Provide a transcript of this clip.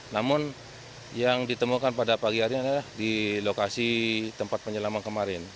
namun yang ditemukan pada pagi hari ini adalah di lokasi tempat penyelaman kemarin